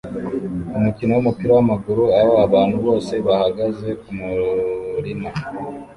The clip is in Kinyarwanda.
Umukino wumupira wamaguru aho abantu bose bahagaze kumurima